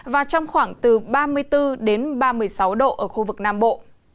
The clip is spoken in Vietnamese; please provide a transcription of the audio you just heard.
và trong khoảng từ ba mươi bốn đến ba mươi sáu độ ở khu vực nam bộ